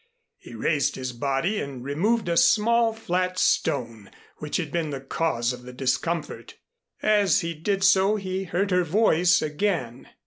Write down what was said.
He raised his body and removed a small flat stone which had been the cause of the discomfort. As he did so he heard her voice again.